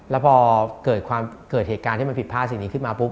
แล้วพอเกิดเหตุการณ์ที่มันผิดพลาดสิ่งนี้ขึ้นมาปุ๊บ